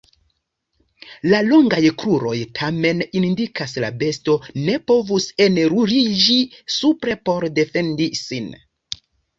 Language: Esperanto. La longaj kruroj, tamen, indikas la besto ne povus enruliĝi supre por defendi sin.